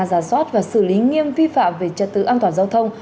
giả soát và xử lý nghiêm vi phạm về trật tự an toàn giao thông